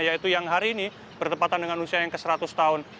yaitu yang hari ini bertepatan dengan usia yang ke seratus tahun